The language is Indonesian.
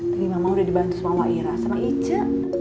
tadi mams udah dibantu sama mwairah sama ica